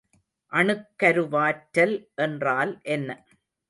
அணுக்கருவாற்றல் என்றால் என்ன?